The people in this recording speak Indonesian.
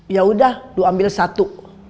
ya udah dua ambil satu